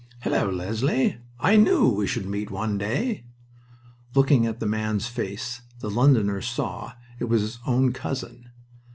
"Hullo, Leslie!... I knew we should meet one day." Looking at the man's face, the Londoner saw it was his own cousin...